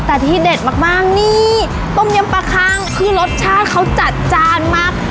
แต่ที่เด็ดมากนี่ต้มยำปลาคังคือรสชาติเขาจัดจานมาก